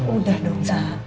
udah dong sa